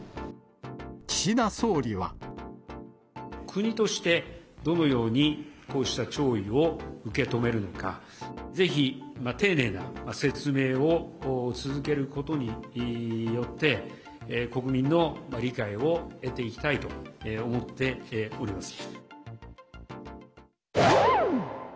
国として、どのようにこうした弔意を受け止めるのか、ぜひ、丁寧な説明を続けることによって、国民の理解を得ていきたいと思っております。